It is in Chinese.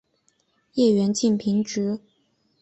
叶缘近平直。